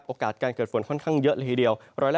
การเกิดฝนค่อนข้างเยอะเลยทีเดียว